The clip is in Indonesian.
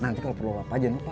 nanti kalau perlu apa aja nih